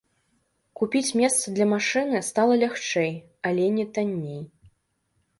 Купіць месца для машыны стала лягчэй, але не танней.